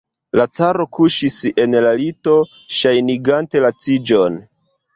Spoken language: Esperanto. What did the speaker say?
La caro kuŝis en la lito, ŝajnigante laciĝon.